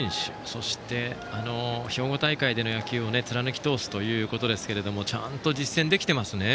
そして、兵庫大会での野球を貫き通すということですがちゃんと実践できてますね。